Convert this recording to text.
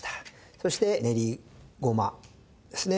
そして練りごまですね。